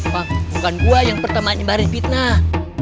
pak bukan gue yang pertama nyebarin fitnah